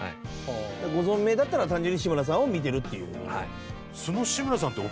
ご存命だったら単純に志村さんを見てるっていう。